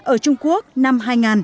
ở trung quốc năm hai nghìn